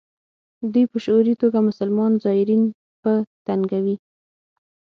دوی په شعوري توګه مسلمان زایرین په تنګوي.